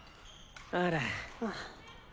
あら。